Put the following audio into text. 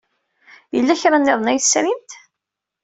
Yella kra niḍen ay tesrimt?